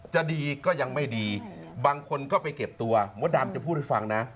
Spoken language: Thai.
จะดีก็ยังไม่ดีบางคนก็ไปเก็บตัวมดดำจะพูดให้ฟังนะ